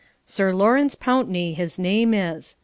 Sir Lawrence Pountney, his name is.